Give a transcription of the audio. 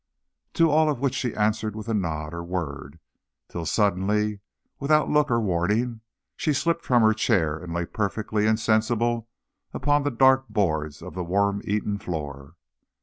To all of which she answered with a nod or word, till suddenly, without look or warning, she slipped from her chair and lay perfectly insensible upon the dark boards of the worm eaten floor.